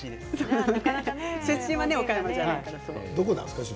出身は岡山じゃないそうです。